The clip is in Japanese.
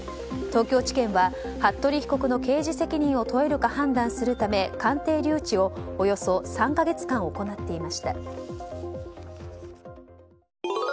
東京地検は服部被告の刑事責任を問えるか判断するため鑑定留置をおよそ３か月間行っていました。